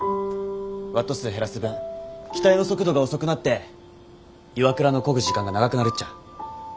ワット数減らす分機体の速度が遅くなって岩倉のこぐ時間が長くなるっちゃ。